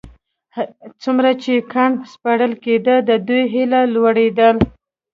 څومره چې کان سپړل کېده د دوی هيلې لوړېدې.